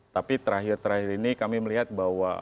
tapi terakhir terakhir ini kami melihat bahwa